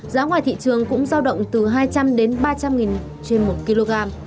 giá ngoài thị trường cũng giao động từ hai trăm linh đến ba trăm linh trên một kg